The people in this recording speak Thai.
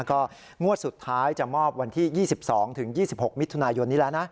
ก็งวดสุดท้ายจะมอบวันที่๒๒๒๖มิถุนายนนี้แล้วนะ